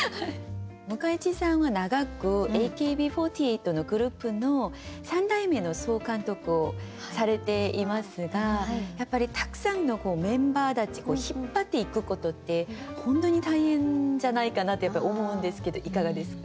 向井地さんは長くＡＫＢ４８のグループの３代目の総監督をされていますがやっぱりたくさんのメンバーたち引っ張っていくことって本当に大変じゃないかなと思うんですけどいかがですか？